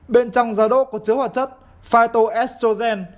bên trong giá đỗ có chứa hợp chất phytoestrogen